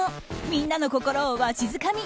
みんなの心をわしづかみ。